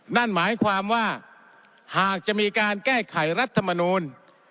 นั่นหมายความว่าหากจะมีการแก้ไขรัฐมนูล